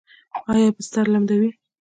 ایا بستر لمدوي؟